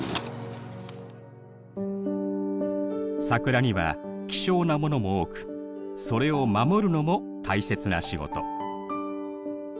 桜には希少なものも多くそれを守るのも大切な仕事。